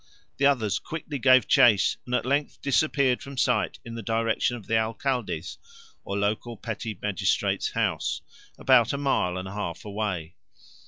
The others quickly gave chase and at length disappeared from sight in the direction of the Alcalde's or local petty magistrate's house, about a mile and a half away.